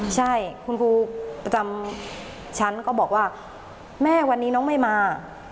ใช่คุณครูประจำชั้นก็บอกว่าแม่วันนี้น้องไม่มา